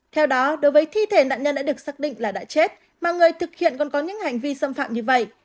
theo đó đối với thi thể nạn nhân đã được xác định là đã chết mà người thực hiện còn có những hành vi xâm phạm như vậy